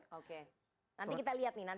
nanti kita lihat nih nanti saya akan tunjukkan